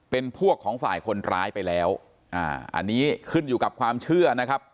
เป็นพวกของฝ่ายคนร้ายไปแล้วอ่าอันนี้ขึ้นอยู่กับความเชื่อนะครับ